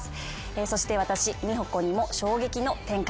そして私美保子にも衝撃の展開が。